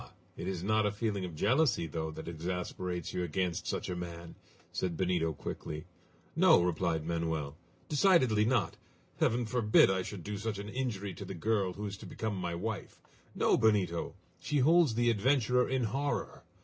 It is not a feeling of jealousy, though, that exasperates you against such a man?" said Benito quickly. "No!" replied Manoel. "Decidedly not! Heaven forbid I should do such an injury to the girl who is to become my wife. No, Benito! She holds the adventurer in horror!